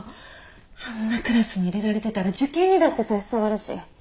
あんなクラスに入れられてたら受験にだって差し障るし。